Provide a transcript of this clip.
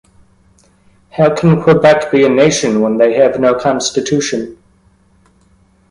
How can Quebec be a nation when they have no constitution?